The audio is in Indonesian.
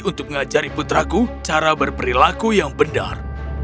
untuk mengajari putraku cara berperilaku yang benar